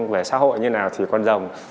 vấn đề xã hội như thế nào thì con rồng